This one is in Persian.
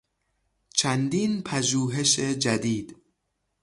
چندین پژوهش جدید